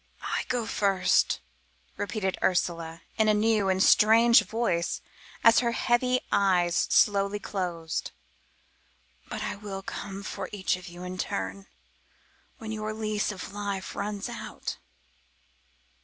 "I go first," repeated Ursula in a new and strange voice as her heavy eyes slowly closed, "but I will come for each of you in turn, when your lease of life runs out.